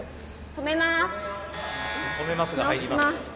「止めます」が入ります。